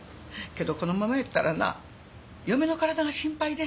けどこのままやったらな嫁の体が心配で。